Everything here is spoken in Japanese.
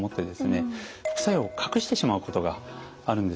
副作用を隠してしまうことがあるんですね。